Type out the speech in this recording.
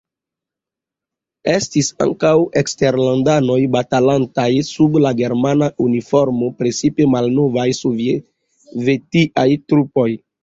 Estis ankaŭ eksterlandanoj batalantaj sub la germana uniformo, precipe malnovaj sovetiaj trupoj.